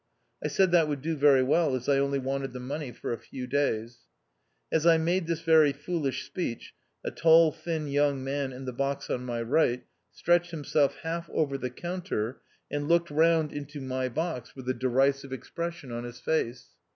I said that would do very well, as I only wanted the money for a few days. As I made this very foolish speech a tall thin young man in the box on my right stretched himself half over the counter, and looked round into my box with a derisive expres THE OUTCAST. 191 sion on his face.